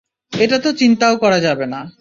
এটা তো চিন্তাও করা যাবে না।